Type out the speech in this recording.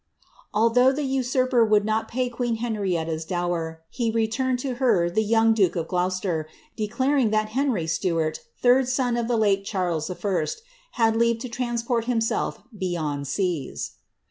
'^^ Ithough the usurper would not pay queen Henrietta's dower, he re ed to her the young duke of Gloucester, declaring '^ that Henry rt« third son of the late Charles I., had leave to transport himself md seas."